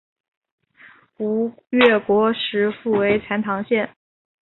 吴越国时复为钱唐县。